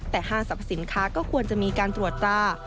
แต่ห้างสรรพสินค้าก็ควรจะมีการตรวจตรา